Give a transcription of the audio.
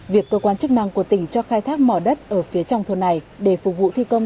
việc cơ quan chức năng của tỉnh cho khai thác mỏ đất ở phía trong thôn này để phục vụ thi công